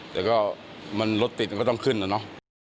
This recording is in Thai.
แต่ก็มันรถติดก็ต้องขึ้นเนอะ